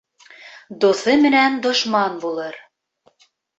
Дуҫы менән дошман булыр.